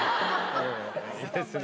いいですね。